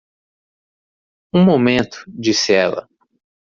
"Um momento", disse ela.